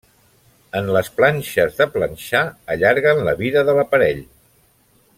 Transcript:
En les planxes de planxar allarguen la vida de l'aparell.